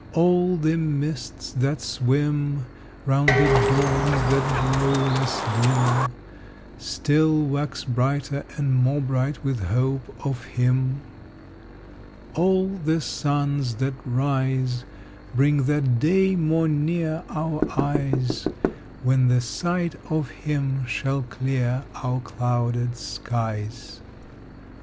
All the mists that swim Round the dawns that grow less dim Still wax brighter and more bright with hope of him. All the suns that rise Bring that day more near our eyes When the sight of him shall clear our clouded skies.